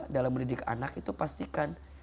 dalam mendidik anak itu pastikan